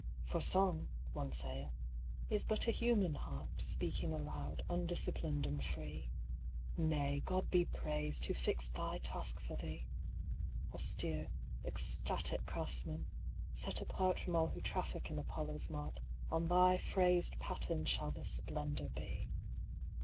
For Song, one saith, is but a human heart Speaking aloud, undisciplined and free. Nay, God be praised, Who fixed thy task for thee! Austere, ecstatic craftsman, set apart From all who traffic in Apollo's mart, On thy phrased paten shall the Splendour be!